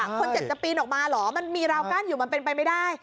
คนเจ็บจะปีนออกมาเหรอมันมีราวกั้นอยู่มันเป็นไปไม่ได้